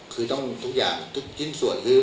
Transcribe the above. คือต้องทุกอย่างทุกชิ้นส่วนคือ